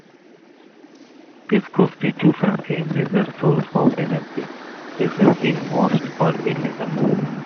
This constitutes a major source of energy reserves in most organisms.